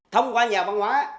thông qua nhà văn hóa